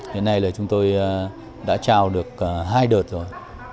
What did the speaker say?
hiện nay là chúng tôi đã trao được hai đợt rồi